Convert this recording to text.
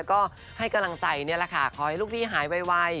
ก็ให้กำลังใจนี่แหละค่ะขอให้ลูกพี่หายไว